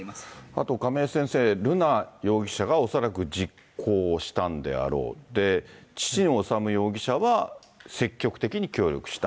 あと、亀井先生、瑠奈容疑者が恐らく実行したんであろう、で、父の修容疑者は積極的に協力した。